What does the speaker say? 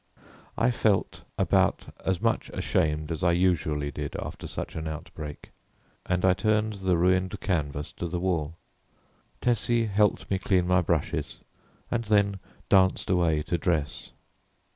I felt about as much ashamed as I usually did after such an outbreak, and I turned the ruined canvas to the wall. Tessie helped me clean my brushes, and then danced away to dress.